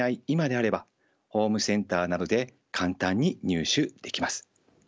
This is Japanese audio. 今であればホームセンターなどで簡単に入手できます。